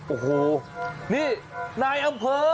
โอ้โหนี่นายอำเภอ